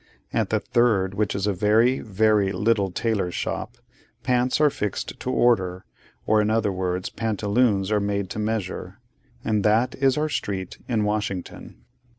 At the third, which is a very, very little tailor's shop, pants are fixed to order; or in other words, pantaloons are made to measure. And that is our street in Washington.